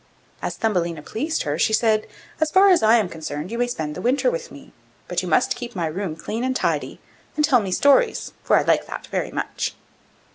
As Thumbelina pleased her, she said: 'As far as I am concerned you may spend the winter with me; but you must keep my room clean and tidy, and tell me stories, for I like that very much.